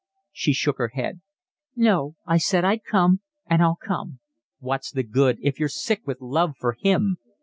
She shook her head. "No, I said I'd come, and I'll come." "What's the good, if you're sick with love for him?"